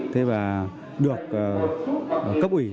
thế và được cấp ủy